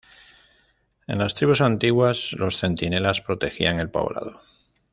En las tribus antiguas, los centinelas protegían el poblado.